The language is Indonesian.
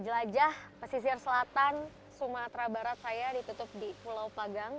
jelajah pesisir selatan sumatera barat saya ditutup di pulau pagang